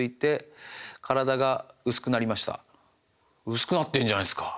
薄くなってんじゃないですか。